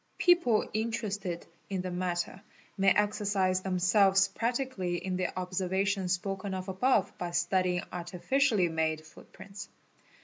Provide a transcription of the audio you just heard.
People interested in the — matter may exercise themselves practically in the observations spoken of — above by studying artificially made footprints.